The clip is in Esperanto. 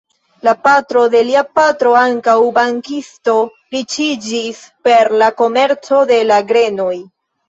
La patro de lia patro, ankaŭ bankisto, riĉiĝis per la komerco de la grenoj.